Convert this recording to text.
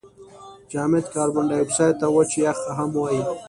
جامد کاربن دای اکساید ته وچ یخ هم وايي.